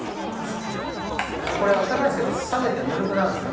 これあったかいんですけど冷めてぬるくなるんですよ。